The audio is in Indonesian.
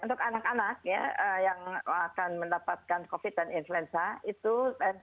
ya untuk anak anak yang akan mendapatkan covid dan influenza itu juga covid dengan berbeda